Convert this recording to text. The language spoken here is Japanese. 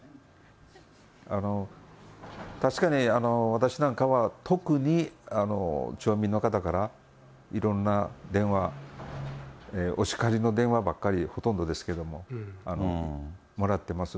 確かに、私なんかは特に町民の方からいろんな電話、お叱りの電話ばっかり、ほとんどですけれども、もらってます。